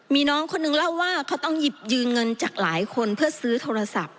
มีน้องคนนึงเล่าว่าเขาต้องหยิบยืมเงินจากหลายคนเพื่อซื้อโทรศัพท์